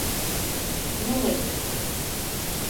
Ne nedir?